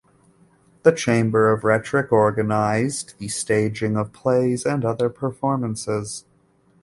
The chamber of rhetoric organised the staging of plays and other performances.